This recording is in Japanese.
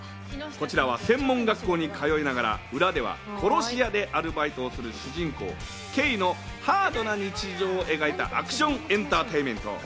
こちらは専門学校に通いながら、裏では殺し屋でアルバイトをする主人公・ケイのハードな日常を描いたアクションエンターテインメント。